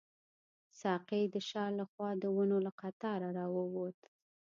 ساقي د شا له خوا د ونو له قطاره راووت.